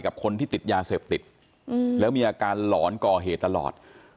กับคนที่ติดยาเสพติด